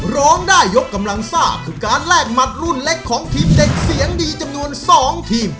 ร้องได้ยกกำลังซ่าคือการแลกหมัดรุ่นเล็กของทีมเด็กเสียงดีจำนวน๒ทีม